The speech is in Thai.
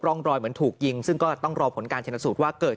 ร่องรอยเหมือนถูกยิงซึ่งก็ต้องรอผลการชนสูตรว่าเกิด